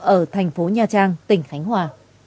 ở thành phố nha trang tỉnh khánh hòa